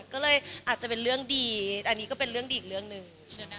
ก็เลยอาจจะเป็นเรื่องดีอันนี้ก็เป็นเรื่องดีอีกเรื่องหนึ่ง